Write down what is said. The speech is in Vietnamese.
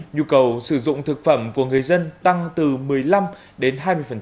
nhu cầu sử dụng thực phẩm của người dân tăng từ một mươi năm đến hai mươi